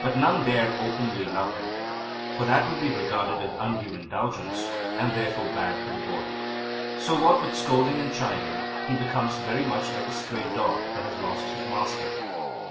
But none dare openly love him, for that would be regarded as undue indulgence, and therefore bad for the boy. So, what with scolding and chiding, he becomes very much like a stray dog that has lost his master.